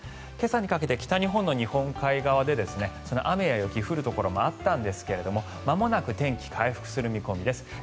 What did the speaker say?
今朝にかけて北日本の日本海側で雨や雪が降るところもあったんですがまもなく天気回復する見込みです。